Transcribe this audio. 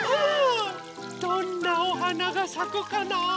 どんなおはながさくかな。